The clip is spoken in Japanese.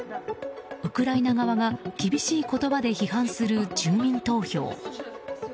ウクライナ側が厳しい言葉で非難する住民投票。